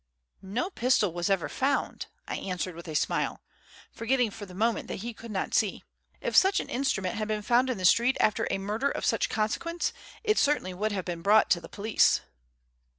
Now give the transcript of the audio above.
"No pistol was ever found," I answered with a smile, forgetting for the moment that he could not see. "If such an instrument had been found in the street after a murder of such consequence, it certainly would have been brought to the police."